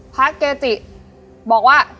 พระเกจิบอกว่า